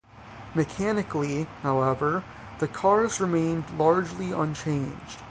Mechanically, however, the cars remained largely unchanged.